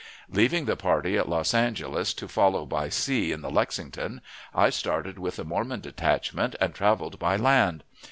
Leaving the party at Los Angeles to follow by sea in the Lexington, I started with the Mormon detachment and traveled by land.